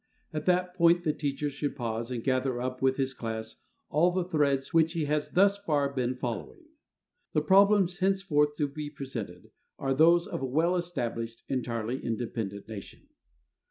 At that point the teacher should pause and gather up with his class all the threads which he has thus far been following. The problems henceforth to be presented are those of a well established, entirely independent nation.